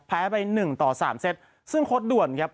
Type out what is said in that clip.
ไปหนึ่งต่อสามเซตซึ่งโค้ดด่วนครับ